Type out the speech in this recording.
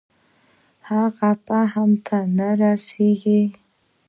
هغه فهم ته نه رسېږي.